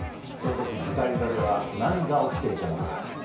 そのとき、舞台裏では何が起きていたのか。